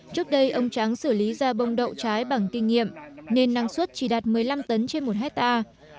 trước đây ông trắng xử lý ra bông đậu trái bằng kinh nghiệm nên năng suất chỉ đạt một mươi năm tấn trên một hectare